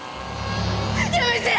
やめて‼